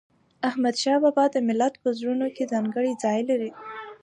احمدشاه بابا د ملت په زړونو کې ځانګړی ځای لري.